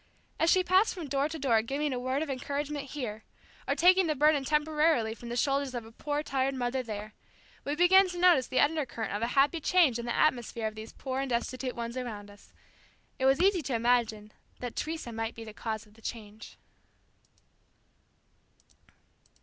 As she passed from door to door giving a word of encouragement here, or taking the burden temporarily from the shoulders of a poor tired mother there, we began to notice the under current of a happy change in the atmosphere of these poor and destitute ones around us. It was easy to imagine that Teresa might be the cause of the change.